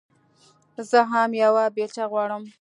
زه هم يوه بېلچه غواړم.